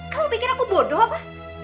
kamu pikir aku bodoh apa